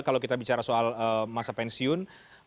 kalau kita bicara soal masa pensiun